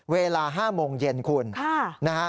เวลา๕โมงเย็นคุณ